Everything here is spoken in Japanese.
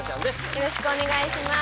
よろしくお願いします。